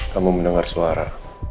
kamu mendengar suara